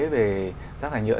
về rác thải nhựa